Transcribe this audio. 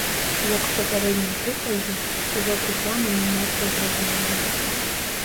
Як у папярэднім прыкладзе, сюжэт рэкламы не надта зразумелы.